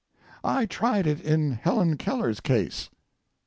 I tried it in Helen Keller's case.